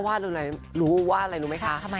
ว่าอะไรรู้ว่าอะไรรู้ไหมคะ